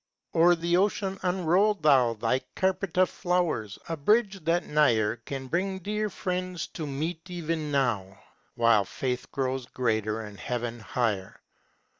O'er the ocean unrollest thou Thy carpet of flowers, a bridge that nigher Can bring dear friends to meet even now, While faith grows greater and heaven higher.